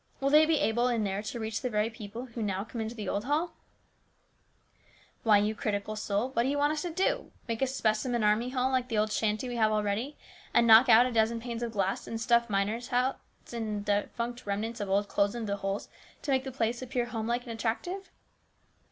Will they be able, in there, to reach the very people who now come into the old hall ?"" Why, you critical soul, what do you want us to do ? Make a specimen army hall like the old shanty we have already, and knock out a dozen panes of glass and stuff miners' hats and the defunct remnants of old clothes into the holes to make the place appear homelike and attractive